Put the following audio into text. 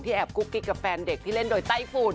แอบกุ๊กกิ๊กกับแฟนเด็กที่เล่นโดยไต้ฝุ่น